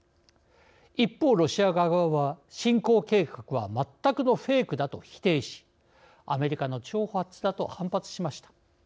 一方ロシア側は、侵攻計画は全くのフェイクだと否定しアメリカの挑発だと反発しました。